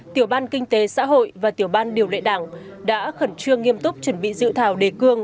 tiểu ban kinh tế xã hội và tiểu ban điều lệ đảng đã khẩn trương nghiêm túc chuẩn bị dự thảo đề cương